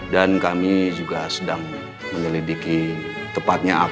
dan kami juga sedang menyelidiki tepatnya apa